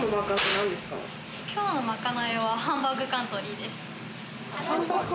きょうのまかないはハンバーグカントリーです。